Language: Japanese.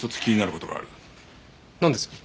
なんです？